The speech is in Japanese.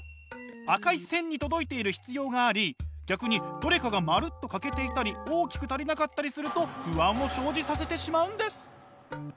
赤い線に届いている必要があり逆にどれかがまるっと欠けていたり大きく足りなかったりすると不安を生じさせてしまうんです。